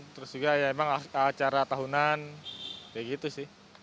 terus juga ya emang acara tahunan kayak gitu sih